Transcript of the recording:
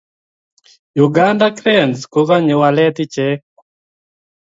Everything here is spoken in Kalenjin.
Uganda Cranes kokanye walet ichek